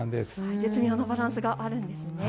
絶妙なバランスがあるんですね。